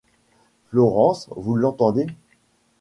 Florence, vous l'entendez ?